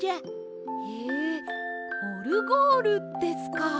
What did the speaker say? へえオルゴールですか。